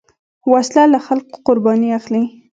وسله له خلکو قرباني اخلي